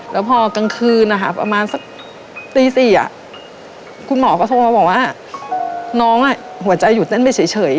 และพอกลางคืนนะค่ะประมาณสักตีสี่อะคุณหมอก็โทรมาบอกว่าน้องอะหัวใจหยุดได้ไม่เฉยเฉย